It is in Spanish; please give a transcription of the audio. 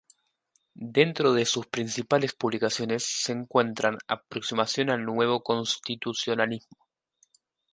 Dentro de sus principales publicaciones se encuentran: "Aproximación al Nuevo Constitucionalismo.